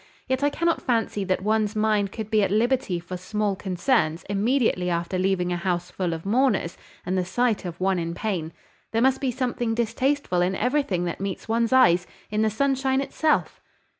"Yet I cannot fancy that one's mind could be at liberty for small concerns immediately after leaving a house full of mourners, and the sight of one in pain. There must be something distasteful in everything that meets one's eyes, in the sunshine itself."